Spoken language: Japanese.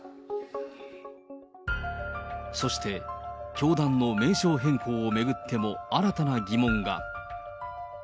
そして、教団の名称変更を巡っても、新たな疑問が。